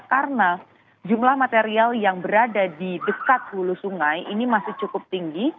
karena jumlah material yang berada di dekat hulu sungai ini masih cukup tinggi